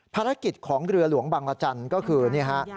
ภารกิจของเรือหลวงบังรัจจันทร์ก็คือ